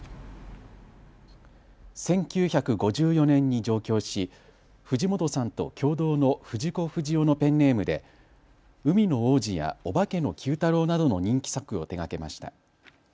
１９５４年に上京し藤本さんと共同の藤子不二雄のペンネームで海の王子やオバケのＱ太郎などの人気作を手がけました。